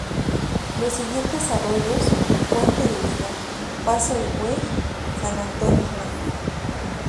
Los siguientes Arroyos: Puente de Viga, Paso de Buey, San Antonio Blanco.